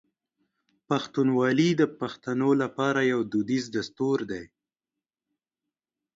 پښتونولي د پښتنو لپاره یو دودیز دستور دی.